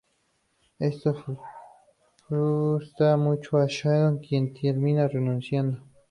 Esto frustra mucho a Shannon, quien termina renunciando.